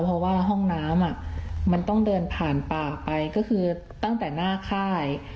เพราะว่าห้องน้ำมันต้องเดินผ่านป่าไปก็คือตั้งแต่หน้าค่าย